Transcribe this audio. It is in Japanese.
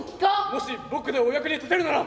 もし僕でお役に立てるなら！